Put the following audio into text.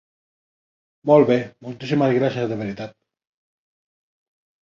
Molt bé, moltíssimes gràcies de veritat.